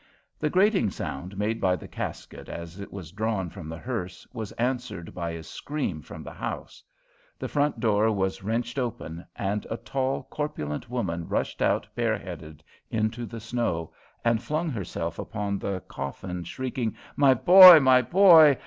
The grating sound made by the casket, as it was drawn from the hearse, was answered by a scream from the house; the front door was wrenched open, and a tall, corpulent woman rushed out bareheaded into the snow and flung herself upon the coffin, shrieking: "My boy, my boy!